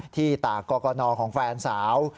ที่ตากกรกรณอของแฟนสาว